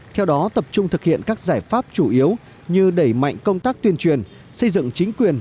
theo đó tập trung thực hiện các giải pháp chủ yếu như đẩy mạnh công tác tuyên truyền xây dựng chính quyền